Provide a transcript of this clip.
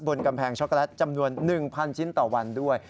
บนกำแพงช็อกโกแลตจำนวน๑๐๐ชิ้นต่อวันด้วย